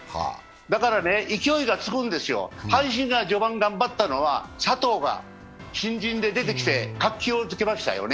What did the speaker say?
だから勢いがつくんですよ、阪神が序盤頑張ったのは佐藤が新人で出てきて活気をつけましたよね。